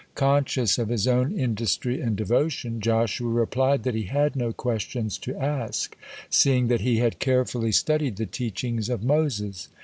Conscious of his own industry and devotion, Joshua replied that he had no questions to ask, seeing that he had carefully studied the teachings of Moses.